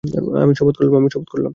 আমি শপথ করলাম!